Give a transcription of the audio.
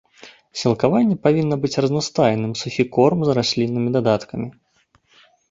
Сілкаванне павінна быць разнастайным, сухі корм з расліннымі дадаткамі.